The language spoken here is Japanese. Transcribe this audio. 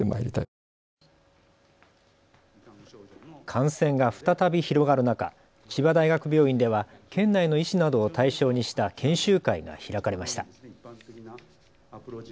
感染が再び広がる中、千葉大学病院では県内の医師などを対象にした研修会が開かれました。